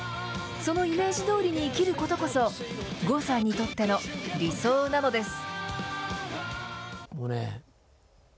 そのイメージどおりに生きることこそ、郷さんにとっての理想なのです。